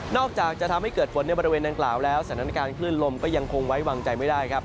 นอกจากจะทำให้เกิดฝนในบริเวณนานกล่าวแล้วสถานการณ์ขึ้นลมก็ยังคงว๊ายวางใจไม่ได้